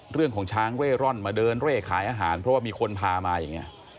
เรื่องของช้างเร่ร่อนมาเดินเร่ขายอาหารเพราะว่ามีคนพามาอย่างนี้